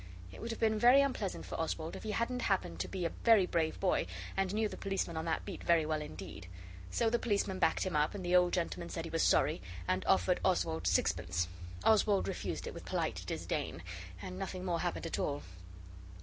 It would have been very unpleasant for Oswald if he hadn't happened to be a very brave boy, and knew the policeman on that beat very well indeed. So the policeman backed him up, and the old gentleman said he was sorry, and offered Oswald sixpence. Oswald refused it with polite disdain, and nothing more happened at all.